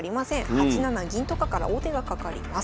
８七銀とかから王手がかかります。